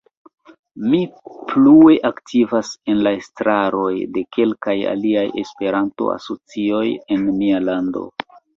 Mi plue aktivas en la estraroj de kelkaj aliaj Esperanto asocioj en mia lando.